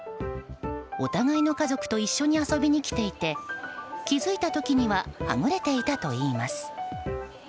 お互いの家族と一緒に遊びに来ていて気づいた時にははぐれていたといいます。